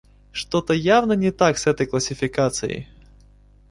Что-то явно не так с этой классификацией.